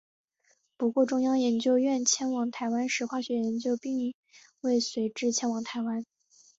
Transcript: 不过中央研究院迁往台湾时化学研究所并未随之迁往台湾。